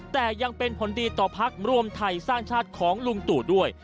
แต่ยังเป็นผลดีต่อพักรวมไทยสร้างชาติของลุงตู่ด้วย